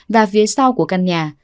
và phía sau của căn nhà